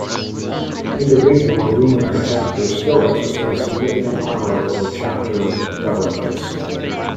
Individual alumni chapters still exercise significant power over chapter governance.